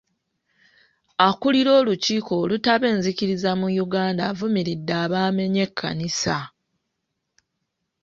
Akulira olukiiko olutaba enzikiriza mu Uganda avumiridde abaamenye ekkanisa.